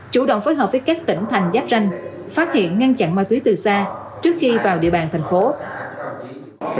chủ động phối hợp với các tỉnh thành giáp ranh phát hiện ngăn chặn ma túy từ xa trước khi vào địa bàn thành phố